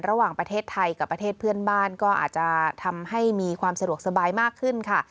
ระหว่างประเทศไทยกับประเทศเพื่อนบ้านก็อาจจะทำให้มีความสะดวกสบายมากขึ้นค่ะ